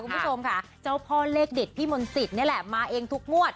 คุณผู้ชมค่ะเจ้าพ่อเลขเด็ดพี่มนต์สิทธิ์นี่แหละมาเองทุกงวด